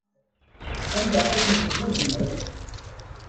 Anda ay ten-tezzuzneḍ?